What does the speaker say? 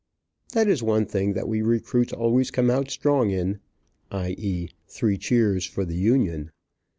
That is one thing that we recruits always come out strong in, i. e., three cheers for the Union.